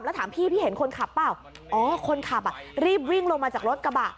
แล้วถามพี่พี่เห็นคนขับเปล่าอ๋อคนขับอ่ะรีบวิ่งลงมาจากรถกระบะ